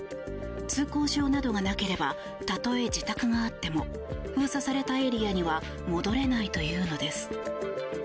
通行証などがなければたとえ自宅があっても封鎖されたエリアには戻れないというのです。